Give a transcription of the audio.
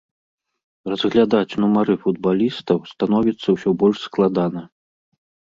Разглядаць нумары футбалістаў становіцца ўсё больш складана.